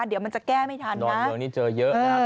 เดี๋ยวมันจะแก้ไม่ทันดอนเมืองนี้เจอเยอะนะครับ